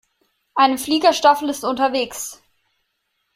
Eine Fliegerstaffel ist unterwegs.